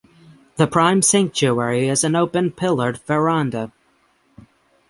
The prime sanctuary is an open pillared veranda.